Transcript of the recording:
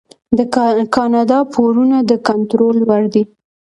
د کاناډا پورونه د کنټرول وړ دي.